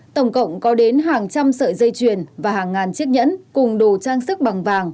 tổng cộng có đến hàng trăm sợi dây chuyền và hàng ngàn chiếc nhẫn cùng đồ trang sức bằng vàng